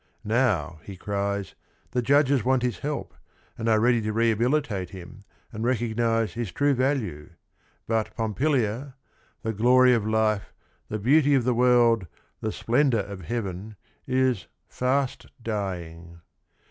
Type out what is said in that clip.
Now, he cries, the judges want his help, and are ready to rehabilitate him and recognize his true value; but Pompilia, "the glory of life, the beauty of the world, the splendor of heaven," is "fast dying."